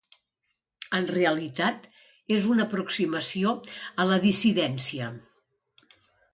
En realitat, és una aproximació a la dissidència.